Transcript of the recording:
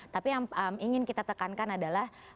tapi yang ingin kita tekankan adalah